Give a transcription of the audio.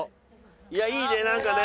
いやいいねなんかね。